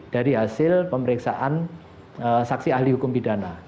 dari hasil pemeriksaan saksi ahli hukum pidana